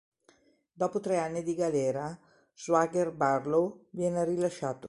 Dopo tre anni di galera, "Swagger" Barlow viene rilasciato.